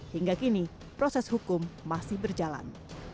hingga kini proses hukum masih berjalan